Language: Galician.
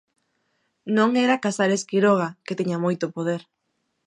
Non era Casares Quiroga, que tiña moito poder.